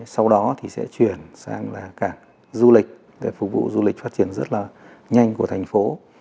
sau đó thì sẽ chuyển sang là cảng du lịch để phục vụ du lịch phát triển rất là nhanh của thành phố